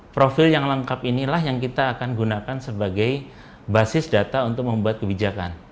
profil yang lengkap inilah yang kita akan gunakan sebagai basis data untuk membuat kebijakan